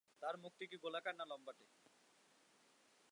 তার মুখটি কি গোলাকার, না লম্বাটে।